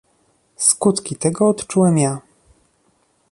Skutki tego odczułem ja